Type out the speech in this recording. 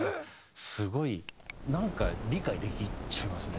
すごいなんか理解できちゃいますね